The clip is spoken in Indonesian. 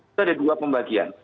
itu ada dua pembagian